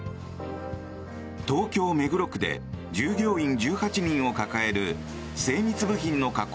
東京・目黒区で従業員１８人を抱える精密部品の加工